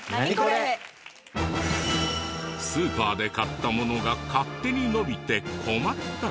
スーパーで買ったものが勝手に伸びて困った事に。